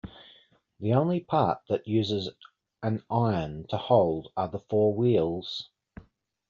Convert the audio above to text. The only part that uses an iron to hold are the four wheels.